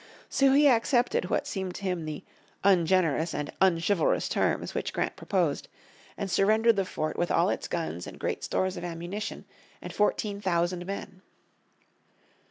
So he accepted what seemed to him the "ungenerous and unchivalrous terms" which Grant proposed, and surrendered the fort with all its guns and great stores of ammunition, and fourteen thousand men.